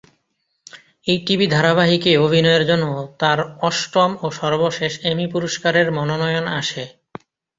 এই টিভি ধারাবাহিকে অভিনয়ের জন্য তার অষ্টম ও সর্বশেষ এমি পুরস্কারের মনোনয়ন আসে।